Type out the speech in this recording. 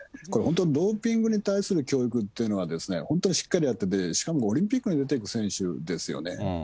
これ本当、ドーピングに関する教育っていうのは、本当にしっかりやってて、しかもオリンピックに出てる選手ですよね。